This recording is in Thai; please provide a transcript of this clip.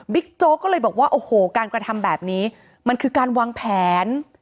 โจ๊กก็เลยบอกว่าโอ้โหการกระทำแบบนี้มันคือการวางแผน